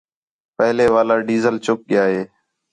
پہلے والا ڈیزل چُک ڳِیا ہے